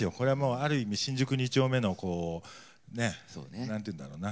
ある意味新宿２丁目の何て言うんだろうな。